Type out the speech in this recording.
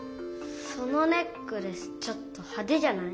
そのネックレスちょっとはでじゃない？